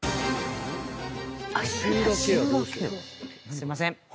すいません。